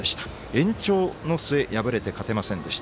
延長の末敗れて勝てませんでした。